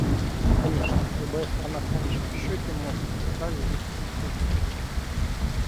Конечно, любая страна в конечном счете может и вправе выступить против него.